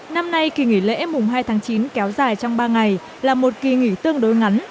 năm nay kỳ nghỉ lễ mùng hai tháng chín kéo dài trong ba ngày là một kỳ nghỉ tương đối ngắn